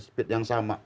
speed yang sama